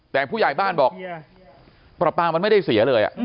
แต่ผู้ใหญ่บ้านบอกปลาปลามันไม่ได้เสียเลย